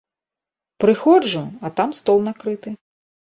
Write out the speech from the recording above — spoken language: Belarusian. Прыходжу, а там стол накрыты.